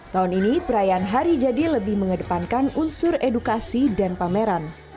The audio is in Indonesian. tahun ini perayaan hari jadi lebih mengedepankan unsur edukasi dan pameran